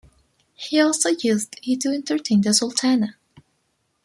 He also used it to entertain the Sultana.